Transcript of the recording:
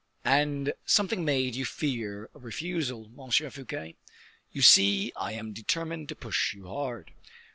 "And something made you fear a refusal, Monsieur Fouquet? You see I am determined to push you hard."